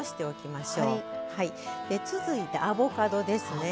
で続いてアボカドですね。